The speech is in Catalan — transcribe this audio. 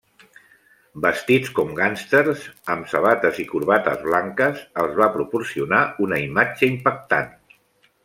Vestits com gàngsters, amb sabates i corbates blanques, els va proporcionar una imatge impactant.